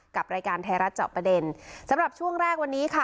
กับรายการไทยรัฐเจาะประเด็นสำหรับช่วงแรกวันนี้ค่ะ